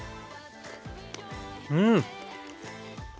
うん！